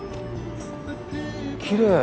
きれい！